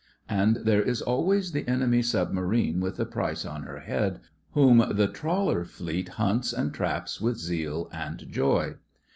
And there is always the enemy submarine with a price on her head, whom the Trawler Fleet hunts and traps with zeal and joy.